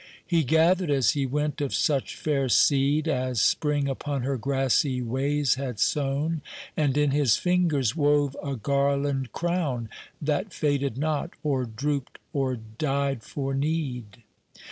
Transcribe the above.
He gathered as he went of such fair seed As Spring upon her grassy ways had sown, And in his fingers wove a garland crown That faded not, or drooped or died for need.